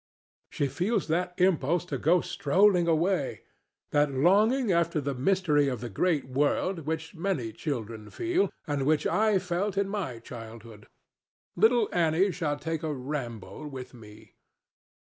She feels that impulse to go strolling away—that longing after the mystery of the great world—which many children feel, and which I felt in my childhood. Little Annie shall take a ramble with me.